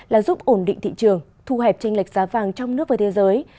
là giúp ổn định thị trường thu hẹp tranh lệch giá vàng trong nước và thế giới